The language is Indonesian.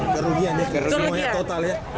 kerugian ya kerugian total ya